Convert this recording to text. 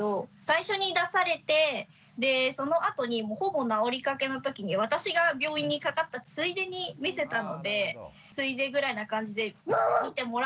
最初に出されてでそのあとにほぼ治りかけの時に私が病院にかかったついでに見せたので。